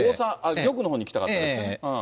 玉のほうに行きたかったんですね。